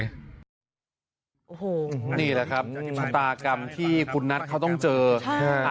โอ้โหนี่แหละครับชะตากรรมที่คุณนัทเขาต้องเจอ